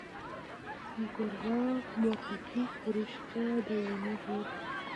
دروغ موقتي خو رښتیا دايمي دي.